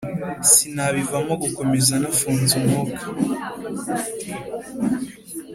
Sinabivamo gukomeza nafunze umwuka